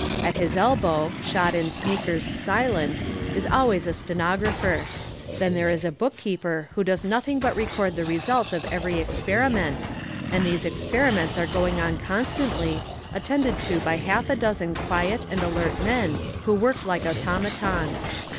At his elbow, shod in sneakers silent, is always a stenographer. Then there is a bookkeeper who does nothing but record the result of every experiment, and these experiments are going on constantly, attended to by half a dozen quiet and alert men, who work like automatons.